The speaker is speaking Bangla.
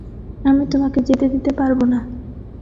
আমি তোমাকে যেতে দিতে পারবো না।